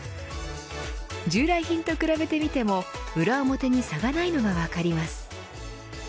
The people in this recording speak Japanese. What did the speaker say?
従来品と比べてみても裏表に差がないのが分かります。